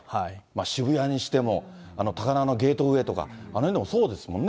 渋谷にしても、高輪のゲートウェイとか、あの辺でもそうですもんね。